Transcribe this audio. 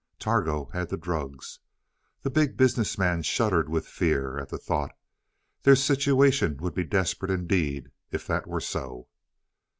Targo had the drugs! The Big Business Man shuddered with fear at the thought. Their situation would be desperate, indeed, if that were so.